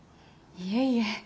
いえいえ。